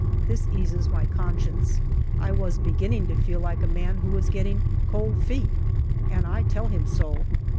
This eases my conscience ; I was beginning to feel like a man who was getting " cold feet," and I tell him so.